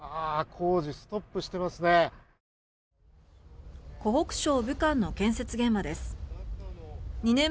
工事、ストップしてますね。